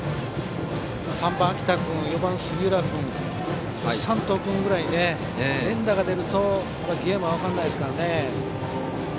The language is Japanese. ３番、秋田君４番、杉浦君そして山藤君ぐらい連打が出るとゲームは分からないですからね。